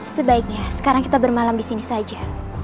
sebaiknya sekarang kita bermalam disini saja